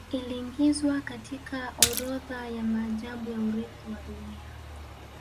Iliiingizwa katika orodha ya maajabu ya Urithi wa Dunia